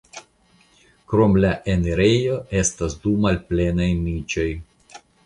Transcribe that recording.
Krom la enirejo estas du malplenaj niĉoj.